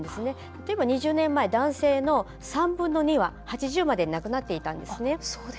例えば、２０年前男性の３分の２は８０までに亡くなっていたんです。